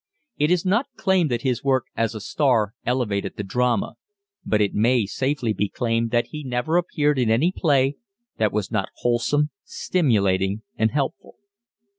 It is not claimed that his work as a star "elevated" the drama, but it may safely be claimed that he never appeared in any play that was not wholesome, stimulating, and helpful.